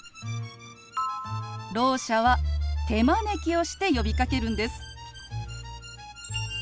ろう者は手招きをして呼びかけるんです。